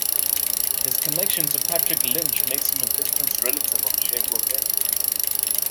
His connection to Patrick Lynch makes him a distant relative of Che Guevara.